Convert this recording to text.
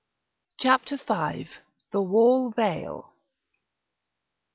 CHAPTER V. THE WALL VEIL.